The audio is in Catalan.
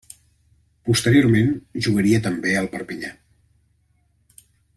Posteriorment jugaria també al Perpinyà.